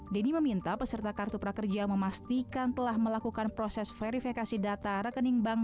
denny meminta peserta kartu prakerja memastikan telah melakukan proses verifikasi data rekening bank